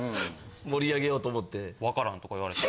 盛り上げようと思って。とか言われて。